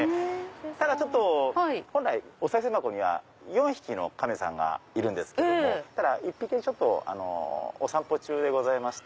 ただ本来おさい銭箱には４匹の亀さんがいるんですけど１匹お散歩中でございまして。